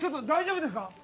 大丈夫ですか？